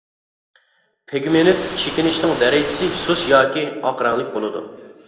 پىگمېنت چېكىنىشنىڭ دەرىجىسى سۇس ياكى ئاق رەڭلىك بولىدۇ.